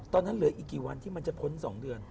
ตอนนั้นเหลืออีกกี่วันที่มันจะพ้นสองเดือน